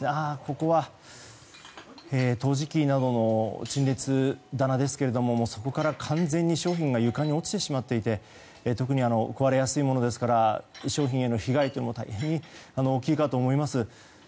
ここは陶磁器などの陳列棚ですがそこから完全に商品が床に落ちてしまっていて特に壊れやすいものですから商品への被害というのも大変大きいかと思います。